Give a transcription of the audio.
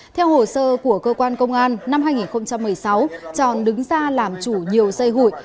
theo hồ sơ của cơ quan công an năm hai nghìn một mươi sáu tròn đứng ra làm chủ nhiều dây hụi